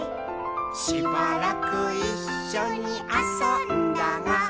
「しばらくいっしょにあそんだが」